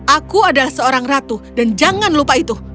aku adalah seorang ratu dan jangan lupa itu